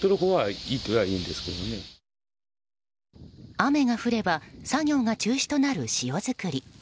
雨が降れば作業が中止となる塩作り。